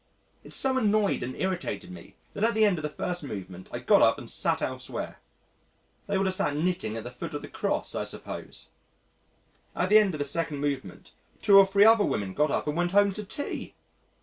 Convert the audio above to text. It so annoyed and irritated me that at the end of the first movement I got up and sat elsewhere. They would have sat knitting at the foot of the Cross, I suppose. At the end of the second movement, two or three other women got up and went home to tea!